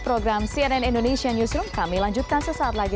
program cnn indonesia newsroom kami lanjutkan sesaat lagi